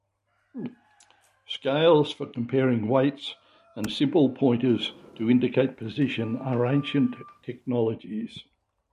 Scales for comparing weights and simple pointers to indicate position are ancient technologies.